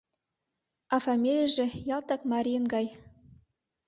— А фамилийже ялтак марийын гай...